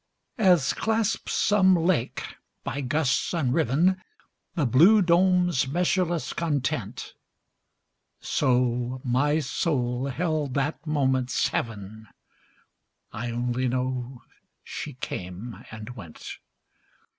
As clasps some lake, by gusts unriven, The blue dome's measureless content, So my soul held that moment's heaven; I only know she came and went.